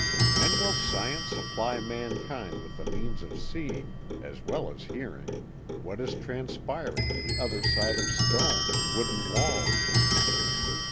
When will science supply mankind with the means of seeing, as well as hearing, what is transpiring on the other side of stone and wooden walls?